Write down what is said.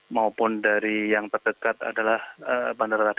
maupun dari yang terdekat adalah bandara rakyat